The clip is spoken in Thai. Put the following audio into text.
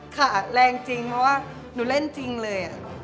ค่ะแรงจริงเพราะว่าหนูเล่นจริงเลย